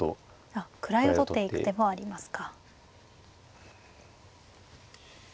あっ位を取っていく手もありますか。